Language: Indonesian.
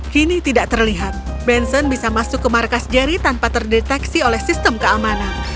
kini tidak terlihat benson bisa masuk ke markas jerry tanpa terdeteksi oleh sistem keamanan